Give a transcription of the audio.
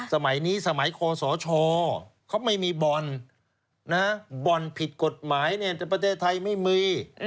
สมัยนี้สมัยคอสชเขาไม่มีบ่อนบ่อนผิดกฎหมายในประเทศไทยไม่มี